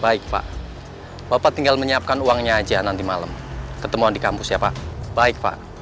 baik pak bapak tinggal menyiapkan uangnya aja nanti malam ketemuan di kampus ya pak baik pak